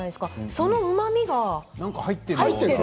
そのうまみが入っている。